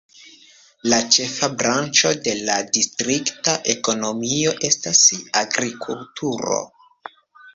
La ĉefa branĉo de la distrikta ekonomio estas agrikulturo.